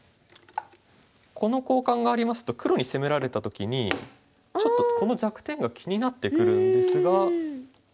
この交換がありますと黒に攻められた時にちょっとこの弱点が気になってくるんですが。